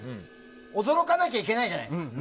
驚かなきゃいけないじゃないですか。